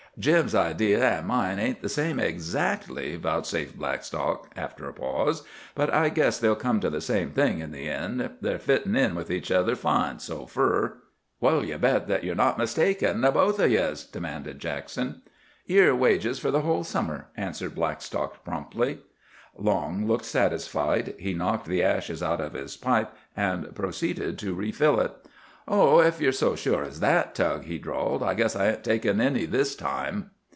"Jim's idee an' mine ain't the same, exackly," vouchsafed Blackstock, after a pause, "but I guess they'll come to the same thing in the end. They're fittin' in with each other fine, so fur!" "What'll ye bet that ye're not mistaken, the both o' yez?" demanded Jackson. "Yer wages fur the whole summer!" answered Blackstock promptly. Long looked satisfied. He knocked the ashes out of his pipe and proceeded to refill it. "Oh, ef ye're so sure as that, Tug," he drawled, "I guess I ain't takin' any this time."